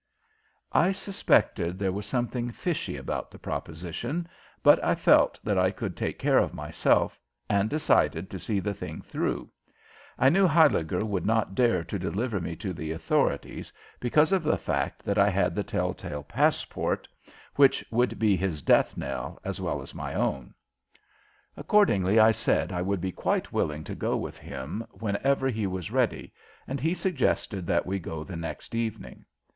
I suspected there was something fishy about the proposition, but I felt that I could take care of myself and decided to see the thing through. I knew Huyliger would not dare to deliver me to the authorities because of the fact that I had the telltale passport, which would be his death knell as well as my own. Accordingly I said I would be quite willing to go with him whenever he was ready, and he suggested that we go the next evening.